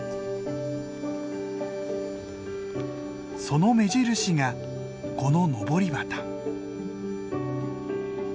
その目印がこののぼり旗。